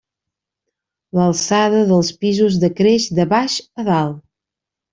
L'alçada dels pisos decreix de baix a dalt.